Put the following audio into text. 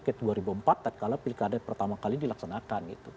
setelah pilkada pertama kali dilaksanakan gitu